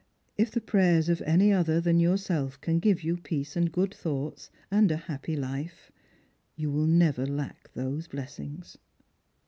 If the prayers of any other than yourself can give yoa peace and good thoughts and a happy life, you will never lack those blessings.